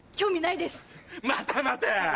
またまた！